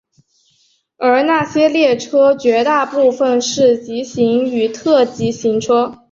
而那些列车绝大部分是急行与特急列车。